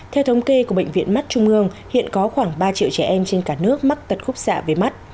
theo thống kê của bệnh viện mắt trung ương hiện có khoảng ba triệu trẻ em trên cả nước mắc tật khúc xạ về mắt